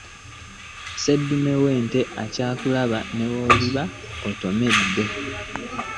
Sseddume w'ente eyakula n'ewola ebadde entomedde.